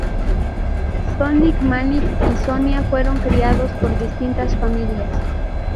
Sonic, Manic y Sonia fueron criados por distintas familias.